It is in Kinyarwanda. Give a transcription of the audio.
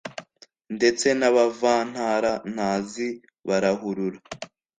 ndetse n’abavantara ntazi barahurura